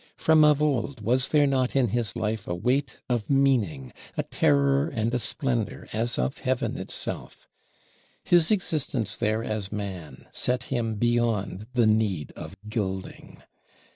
From of old was there not in his life a weight of meaning, a terror and a splendor as of Heaven itself? His existence there as man set him beyond the need of gilding.